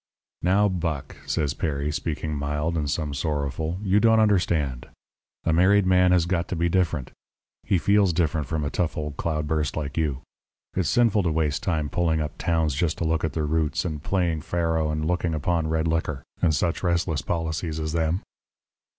"'Now, Buck,' says Perry, speaking mild, and some sorrowful, 'you don't understand. A married man has got to be different. He feels different from a tough old cloudburst like you. It's sinful to waste time pulling up towns just to look at their roots, and playing faro and looking upon red liquor, and such restless policies as them.'